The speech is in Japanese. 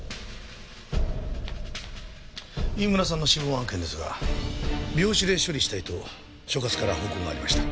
飯村さんの死亡案件ですが病死で処理したいと所轄から報告もありました。